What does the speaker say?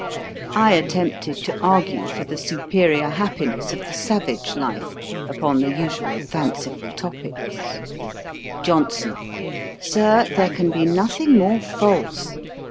I attempted to argue for the superior happiness of the savage life, upon the usual fanciful topicks. JOHNSON. 'Sir, there can be nothing more false.